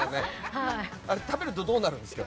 あれ食べるとどうなるんですか？